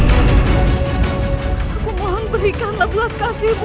aku mohon berikan telas kasihmu